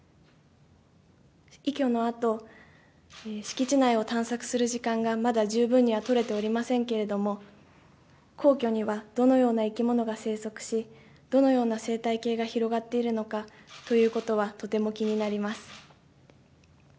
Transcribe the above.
移居のあと、敷地内を探索する時間が、まだ十分には取れておりませんけれども、皇居にはどのような生き物が生息し、どのような生態系が広がっているのかということは、とても気になります。